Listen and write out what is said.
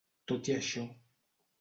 Tot i això.